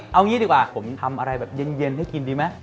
เอางี้ดีกว่าผมทำอะไรแบบเย็นให้กินดีไหม